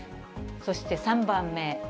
そして３番目。